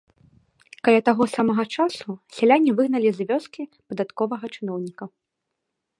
Каля таго самага часу сяляне выгналі з вёскі падатковага чыноўніка.